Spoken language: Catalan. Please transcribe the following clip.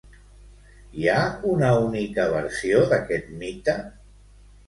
Hi ha una única versió d'aquest mite?